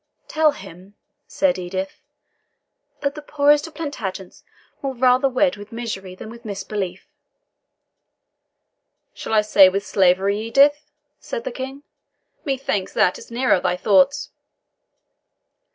"Tell him," said Edith, "that the poorest of the Plantagenets will rather wed with misery than with misbelief." "Shall I say with slavery, Edith?" said the King. "Methinks that is nearer thy thoughts."